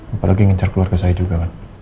apalagi ngejar keluarga saya juga kan